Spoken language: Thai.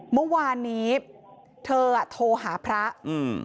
เมื่อวานนี้เธออ่ะโทรหาพระอืม